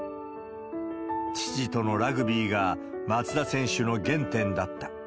父とのラグビーが、松田選手の原点だった。